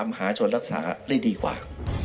มหาชนรักษาได้ดีกว่า